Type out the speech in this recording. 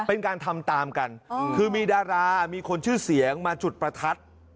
เป็นการทำตามกันคือมีดารามีคนชื่อเสียงมาจุดประทัด